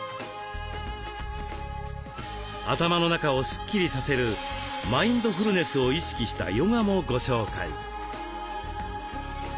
頭の中をスッキリさせるマインドフルネスを意識したヨガもご紹介。